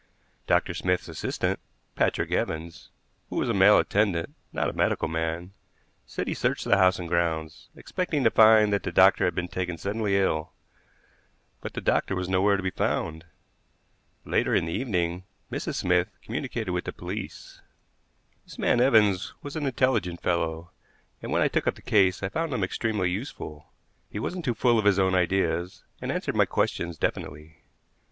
Dr. Smith's assistant, Patrick Evans, who was a male attendant, not a medical man, said he searched the house and grounds, expecting to find that the doctor had been taken suddenly ill; but the doctor was nowhere to be found. Later in the evening Mrs. Smith communicated with the police. This man Evans was an intelligent fellow, and when I took up the case I found him extremely useful. He wasn't too full of his own ideas, and answered my questions definitely.